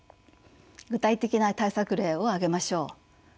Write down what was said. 具体的な対策例を挙げましょう。